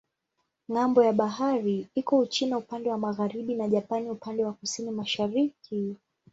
Ng'ambo ya bahari iko Uchina upande wa magharibi na Japani upande wa kusini-mashariki.